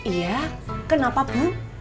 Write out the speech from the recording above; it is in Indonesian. iya kenapa bu